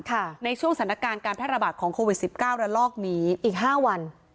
ในช่วงสถานการณ์การแพร่ระบาดของโควิดสิบเก้าระลอกนี้อีกห้าวัน